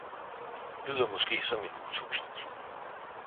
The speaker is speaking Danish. lyder måske som en utopi